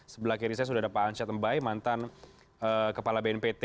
sebelah kiri saya sudah ada pak ansyad mbai mantan kepala bnpt